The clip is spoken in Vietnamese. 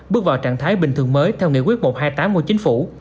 bước vào trạng thái bình thường mới theo nghị quyết một trăm hai mươi tám của chính phủ